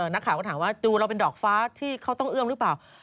นักข่าวก็ถามว่าดูเราเป็นดอกฟ้าที่เขาต้องเอื้อมหรือเปล่า